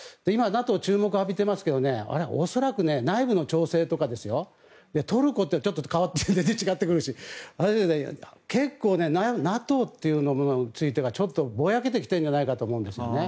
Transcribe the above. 今、ＮＡＴＯは注目を浴びていますけど恐らく、内部の調整とかトルコでちょっと変わっていて全然違ってくるし結構ＮＡＴＯというものについてぼやけてきてるんじゃないかと思うんですね。